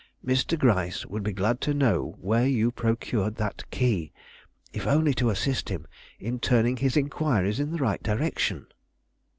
"Mr. Gryce would be glad to know where you procured that key, if only to assist him in turning his inquiries in the right direction."